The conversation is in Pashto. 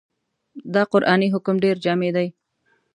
دا قرآني حکم ډېر جامع دی.